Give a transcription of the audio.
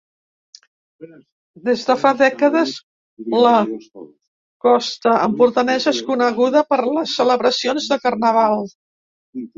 Des de fa dècades la costa empordanesa és coneguda per les celebracions de carnaval.